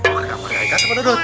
ke kamarnya haikal sama dodot